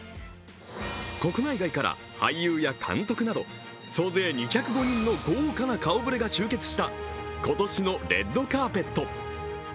国内外から俳優や監督など総勢２０５人の豪華な顔ぶれが集結した今年のレッドカーペット。